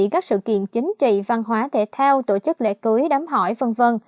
các sự kiện chính trị văn hóa thể thao tổ chức lễ cưới đám hỏi v v